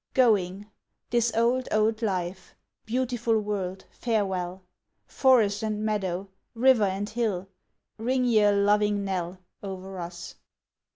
Going this old, old life; Beautiful world, farewell! Forest and meadow! river and hill! Ring ye a loving knell O'er us!